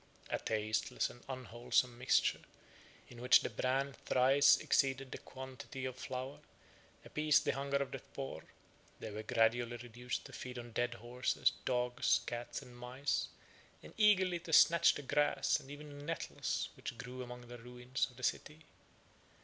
A tasteless and unwholesome mixture, in which the bran thrice exceeded the quantity of flour, appeased the hunger of the poor; they were gradually reduced to feed on dead horses, dogs, cats, and mice, and eagerly to snatch the grass, and even the nettles, which grew among the ruins of the city.